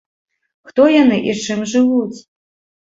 Хто яны і чым жывуць?